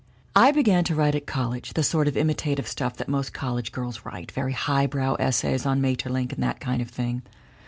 "I began to write at college, the sort of imitative stuff that most college girls write very highbrow essays on Maeterlinck, and that kind of thing.